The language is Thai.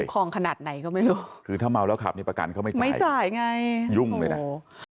คลองขนาดไหนก็ไม่รู้คือถ้าเมาแล้วขับนี่ประกันเขาไม่จ่ายไม่จ่ายไงยุ่งเลยนะโอ้โห